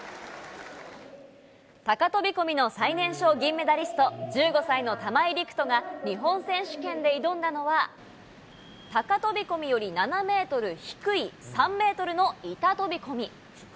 高飛び込みの最年少銀メダリスト、１５歳の玉井陸斗が日本選手権で挑んだのは、高飛び込みより７メートル低い、３メートルの板飛び込み。